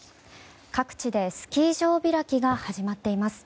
各地でスキー場開きが始まっています。